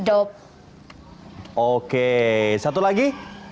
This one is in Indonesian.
oke satu lagi